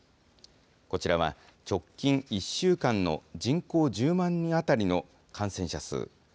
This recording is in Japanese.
こちらは、直近１週間の人口１０万人当たりの感染者数。